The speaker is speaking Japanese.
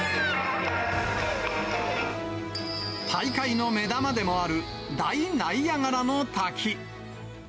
大会の目玉でもある、大ナイアガラの滝。